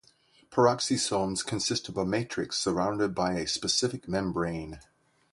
Peroxisomes consist of a matrix surrounded by a specific membrane.